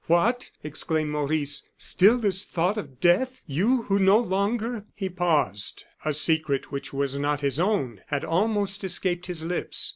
"What!" exclaimed Maurice; "still this thought of death. You, who no longer " He paused; a secret which was not his own had almost escaped his lips.